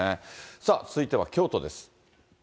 さあ、続いては京都です。